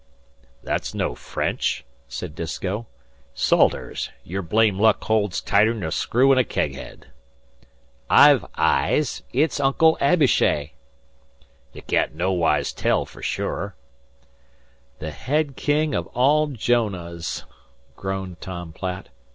"That's no French," said Disko. "Salters, your blame luck holds tighter'n a screw in a keg head." "I've eyes. It's Uncle Abishai." "You can't nowise tell fer sure." "The head king of all Jonahs," groaned Tom Platt.